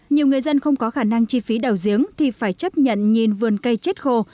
nhiều người dân không có khả năng chi phí đào giếng thì phải chấp nhận nhìn vườn cây chết khô